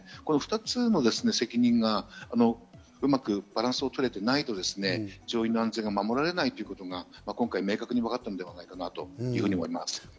２つの責任がうまくバランスを取れていないと乗員の安全が守られないということが今回、明確にわかったのではないかと思います。